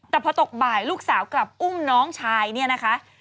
แต่พอตกบ่ายลูกสาวกลับอุ้มน้องชายเนี่ยนะคะ